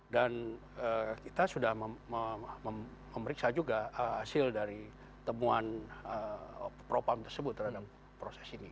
dan kita sudah memeriksa juga hasil dari temuan propam tersebut terhadap proses ini